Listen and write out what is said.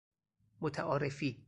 متعارفی